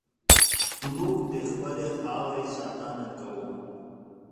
موږ د خپلې خاورې ساتنه کوو.